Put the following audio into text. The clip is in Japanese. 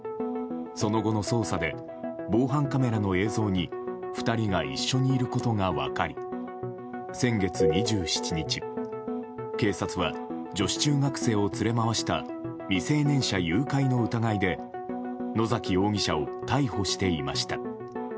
その後の捜査で防犯カメラの映像に２人が一緒にいることが分かり先月２７日、警察は女子中学生を連れまわした未成年者誘拐の疑いで野崎容疑者を逮捕していました。